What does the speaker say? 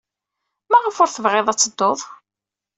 Maɣef ur tebɣiḍ ad tedduḍ?